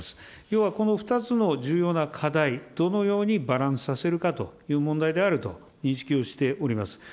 要は、この２つの重要な課題、どのようにバランスさせるかという問題であると認識をしております。